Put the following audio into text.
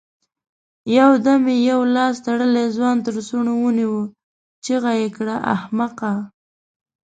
يودم يې يو لاس تړلی ځوان تر څڼو ونيو، چيغه يې کړه! احمقه!